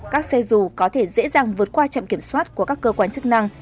các xe dù có thể dễ dàng vượt qua chậm kiểm soát của các cơ quan chức năng